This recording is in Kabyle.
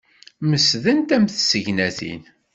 Mesdent am tsegnatin.